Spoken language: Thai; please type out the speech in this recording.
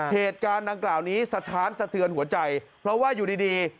เหตุการณ์ดังกล่าวนี้สะท้านสะเทือนหัวใจเพราะว่าอยู่ดีดี